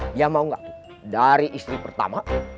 dia mau nggak tuh dari istri pertama